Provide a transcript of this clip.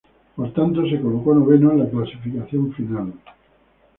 Por tanto, se colocó noveno en la clasificación final.